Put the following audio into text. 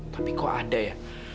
tapi kok ada ya